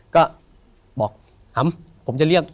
ก็บอกฮัมผมจะเรียก